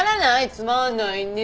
つまんないね。